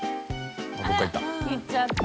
どっか行った。